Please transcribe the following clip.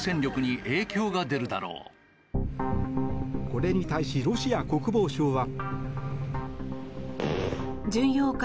これに対しロシア国防省は。